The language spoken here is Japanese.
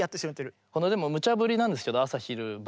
これでもむちゃぶりなんですけど「朝」「昼」「晩」。